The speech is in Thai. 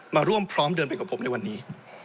มาร่วมพร้อมเดินไปกับผมในวันนี้